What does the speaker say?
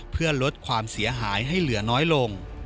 เพื่อลดความเสียหายให้เหลือน้อยลง